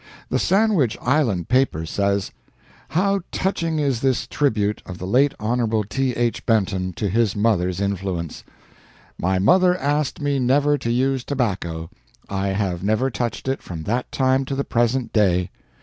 The Sandwich Island paper says: How touching is this tribute of the late Hon. T. H. Benton to his mother's influence: 'My mother asked me never to use tobacco; I have never touched it from that time to the present day.